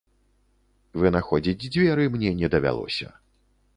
Вынаходзіць дзверы мне не давялося.